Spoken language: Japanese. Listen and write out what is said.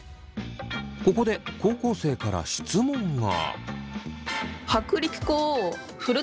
ここで高校生から質問が。